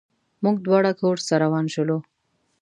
موږ دواړه کورس ته روان شولو.